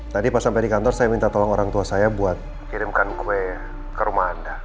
tadi pas sampai di kantor saya minta tolong orang tua saya buat kirimkan kue ke rumah anda